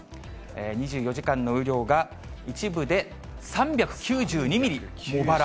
２４時間の雨量が、一部で３９２ミリ、茂原。